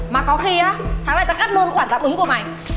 mà có khi á tháng này tao cắt luôn khoản tạm ứng của mày